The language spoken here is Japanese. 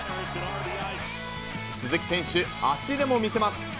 鈴木選手、足でも見せます。